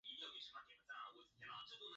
普卢吉恩。